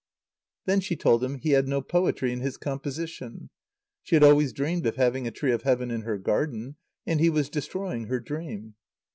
Then she told him he had no poetry in his composition. She had always dreamed of having a tree of Heaven in her garden; and he was destroying her dream.